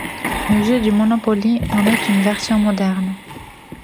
Le jeu du Monopoly en est une version moderne.